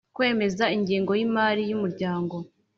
kwemeza ingengo y imari y umuryango